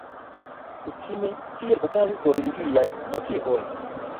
Kutime tiel okazis pro religiaj motivoj.